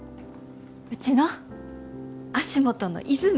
うちの足元の泉！